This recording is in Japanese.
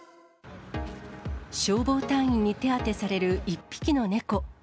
消防隊員に手当てされる１匹の猫。